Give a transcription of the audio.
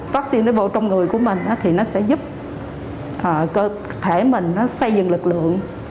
vắc xin nó vô trong người của mình thì nó sẽ giúp cơ thể mình xây dựng lực lượng